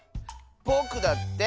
ぼくだって！